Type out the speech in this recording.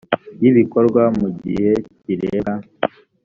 y ibikorwa mu gihe kirebwa